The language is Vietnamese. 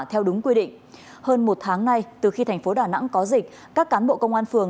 theo đúng quy định hơn một tháng nay từ khi thành phố đà nẵng có dịch các cán bộ công an phường